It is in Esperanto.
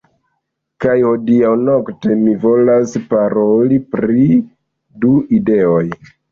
Kaj hodiaŭ nokte mi volas paroli pri du ideoj